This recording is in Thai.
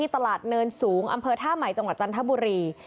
ตลาดเนินสูงอำเภอท่าใหม่จังหวัดจันทบุรี